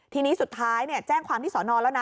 ทีนี้สุดท้ายแจ้งความที่สอนอแล้วนะ